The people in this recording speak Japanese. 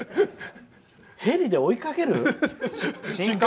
ヘリで追いかける？